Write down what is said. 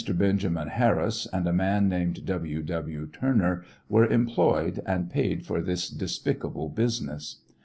Benjamin Harris and a man named W. W. Turner were employed and paid for this despicable business.